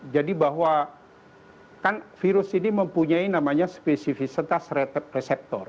jadi bahwa kan virus ini mempunyai namanya spesifitas reseptor